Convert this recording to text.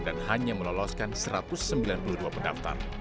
dan hanya meloloskan satu ratus sembilan puluh dua pendaftar